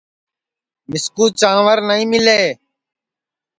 مِسکُو چانٚور نائی مِلے